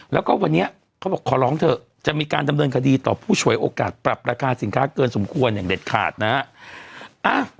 แล้วก็วันนี้เขาบอกขอร้องเถอะจะมีการดำเนินคดีต่อผู้ฉวยโอกาสปรับราคาสินค้าเกินสมควรอย่างเด็ดขาดนะฮะ